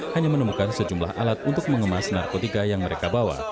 hanya menemukan sejumlah alat untuk mengemas narkotika yang mereka bawa